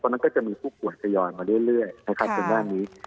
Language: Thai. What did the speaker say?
เพราะฉะนั้นก็จะมีผู้ป่วยทยอยมาเรื่อยนะครับทางด้านนี้